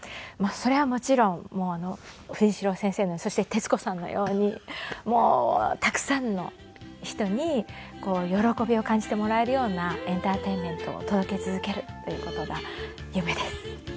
それはもちろん藤城先生のそして徹子さんのようにもうたくさんの人に喜びを感じてもらえるようなエンターテインメントを届け続けるという事が夢です。